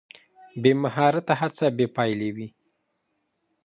بې مهارته هڅه بې پایلې وي.